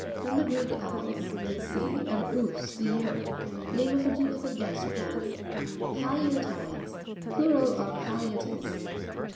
—From the Greek, als, the sea, and ous, the ear. Name of a genus of gasteropods (page 60). Hatto't1pEs.—Plural of Haliotis.